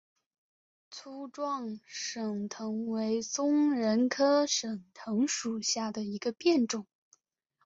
粗壮省藤为棕榈科省藤属下的一个变种。